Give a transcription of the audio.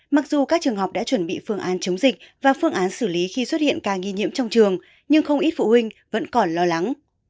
mặc dù các trường học đã chuẩn bị phương án chống dịch và phương án xử lý khi xuất hiện ca nghi nhiễm trong trường nhưng không ít phụ huynh vẫn còn lo lắng